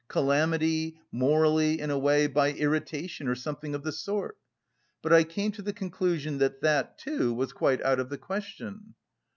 calamity, morally, in a way, by irritation or something of the sort. But I came to the conclusion that that, too, was quite out of the question."